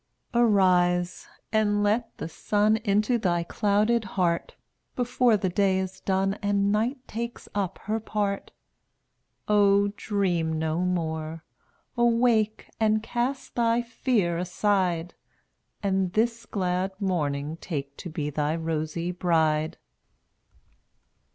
216 Arise, and let the sun Into thy clouded heart, Before the day is done And night takes up her part. Oh, dream no more; awake, And cast thy fear aside, And this glad Morning take To be thy rosy bride.